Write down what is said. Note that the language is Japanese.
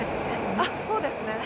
あっ、そうですね。